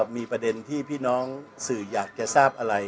มีประเด็นที่พี่น้องสื่ออยากจะทราบอะไร